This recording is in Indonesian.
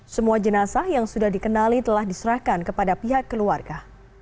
semua jenazah yang sudah dikenali telah diserahkan kepada pihak keluarga